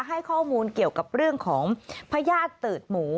ให้ข้อมูลเกี่ยวกับเรื่องของพญาติตืดหมู